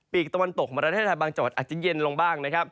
ปีกตะวันตกมารัฐธัยบางจังหวัดอาจจะเย็นลงบ้าง